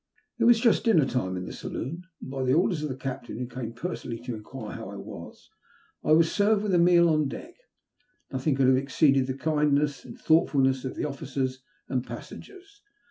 It was just dinner time in the saloon, and by the orders of the Captain, who came per sonally to enquire how I was, I was served with a meal on deck. Nothing could have exceeded the kindness and thoughtfulncss of the officers and pas sengers.